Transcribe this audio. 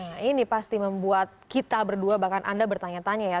nah ini pasti membuat kita berdua bahkan anda bertanya tanya ya